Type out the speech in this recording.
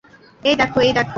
এই দেখো, এই দেখো।